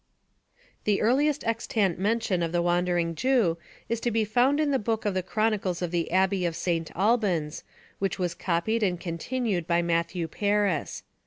The earliest extant mention of the Wandering Jew is to be found in the book of the chronicles of the Abbey of St. Albans, which was copied and continued by Matthew Paris.